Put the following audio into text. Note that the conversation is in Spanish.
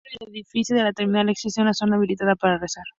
Fuera del edificio de la terminal existe una zona habilitada para rezar.